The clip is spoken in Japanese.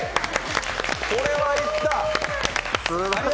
これはいった！